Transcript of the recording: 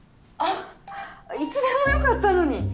あっいつでもよかったのに。